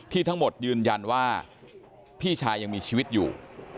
ทั้งหมดยืนยันว่าพี่ชายยังมีชีวิตอยู่